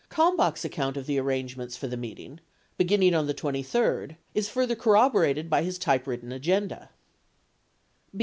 Kalmbach's account of the arrangements for the meeting — beginning on the 23d — is further corroborated by his typewritten agenda.